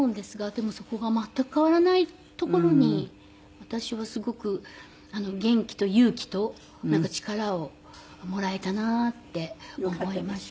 でもそこが全く変わらないところに私はすごく元気と勇気となんか力をもらえたなって思いました。